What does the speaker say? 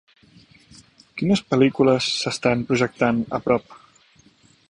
Quines pel·lícules s'estan projectant a prop